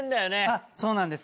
あっそうなんです。